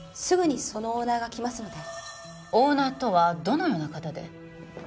すぐにそのオーナーが来ますのでオーナーとはどのような方で？